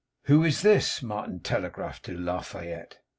'Who is this?' Martin telegraphed to La Fayette.